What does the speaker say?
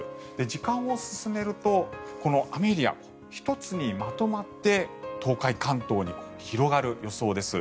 時間を進めると、この雨エリア１つにまとまって東海、関東に広がる予想です。